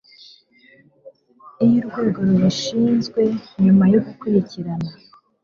iyo urwego rubishinzwe nyuma yo gukurikirana